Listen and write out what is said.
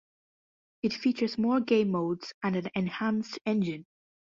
It features more game modes and an enhanced engine.